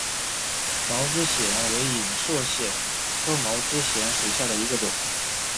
毛枝藓为隐蒴藓科毛枝藓属下的一个种。